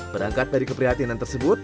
berangkat dari keprihatinan tersebut